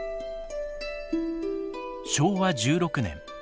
昭和１６年。